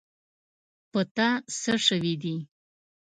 په تا څه شوي دي.